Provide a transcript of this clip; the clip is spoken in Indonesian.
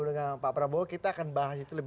dengan pak prabowo kita akan bahas itu lebih